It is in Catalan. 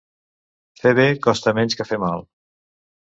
Fer bé costa menys que fer mal.